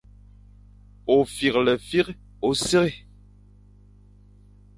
Ôfîghefîkh ô sir.